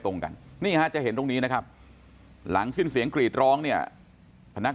ตรงกันนี่ฮะจะเห็นตรงนี้นะครับหลังสิ้นเสียงกรีดร้องเนี่ยพนัก